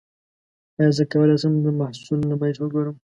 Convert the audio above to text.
ایا زه کولی شم د محصول نمایش وګورم؟